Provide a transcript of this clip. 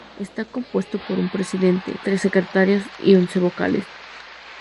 Está compuesto por un presidente, tres secretarios y once vocales.